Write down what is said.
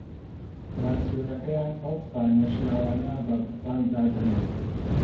فراکسیۆنەکەیان ئەو قسە نەشیاوانە بە بوختان دادەنێت